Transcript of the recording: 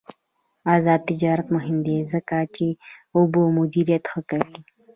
آزاد تجارت مهم دی ځکه چې اوبه مدیریت ښه کوي.